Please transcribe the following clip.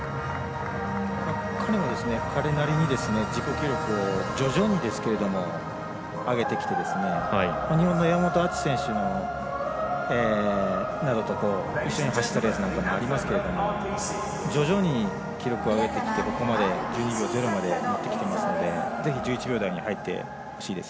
彼は、彼なりに自己記録を徐々に上げてきて日本の山本篤選手などと一緒に走ったレースなんかもありますけれども徐々に記録を上げてきてここまで１２秒０まで持ってきていますのでぜひ１１秒台に入ってほしいです。